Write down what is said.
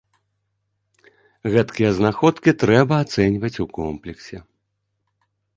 Гэткія знаходкі трэба ацэньваць у комплексе.